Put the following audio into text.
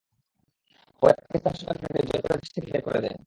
পরে পাকিস্তান সরকার তাঁকে জোর করে দেশ থেকে বের করে দেয়।